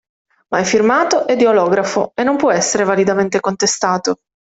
Ma è firmato ed è olografo, e non può essere validamente contestato!